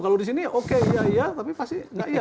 kalau di sini oke iya iya tapi pasti enggak iya